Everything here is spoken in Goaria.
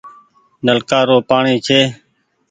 نلڪآ رو پآڻيٚ ڇي۔